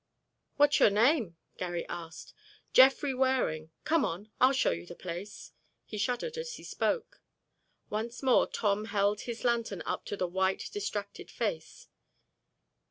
"What's your name?" Garry asked. "Jeffrey Waring—come on, I'll show you the place." He shuddered as he spoke. Once more Tom held his lantern up to the white, distracted face.